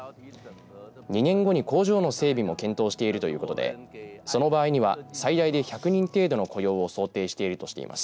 ２年後に工場の整備も検討しているということでその場合には最大で１００人程度の雇用を想定しているとしています。